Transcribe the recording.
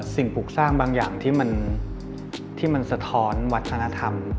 ปลูกสร้างบางอย่างที่มันสะท้อนวัฒนธรรม